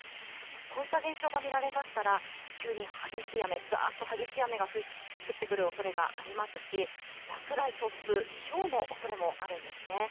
こういった現象が見られましたら、急に激しい雨、ざーっと激しい雨が降ってくるおそれがありますし、落雷、突風、ひょうのおそれもあるんですね。